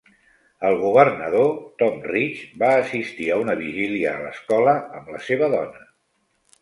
El governador Tom Ridge va assistir a una vigília a l'escola amb la seva dona.